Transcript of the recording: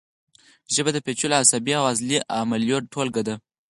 ژبه د پیچلو عصبي او عضلي عملیو ټولګه ده